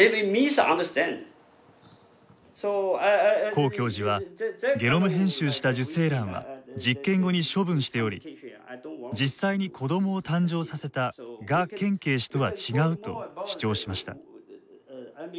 黄教授はゲノム編集した受精卵は実験後に処分しており実際に子供を誕生させた賀建奎氏とは違うと主張しました。